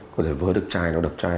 có thể vỡ được chai nó đập chai